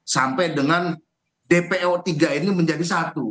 sampai dengan dpo tiga ini menjadi satu